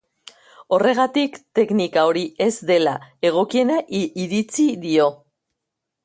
Horregatik, teknika hori ez dela egokiena iritzi dio.